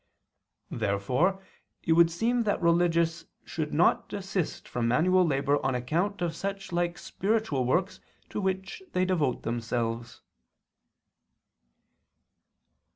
Therefore it would seem that religious should not desist from manual labor on account of such like spiritual works to which they devote themselves.